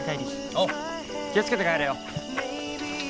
おう気を付けて帰れよ。